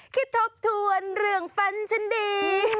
ทบทวนเรื่องแฟนฉันดี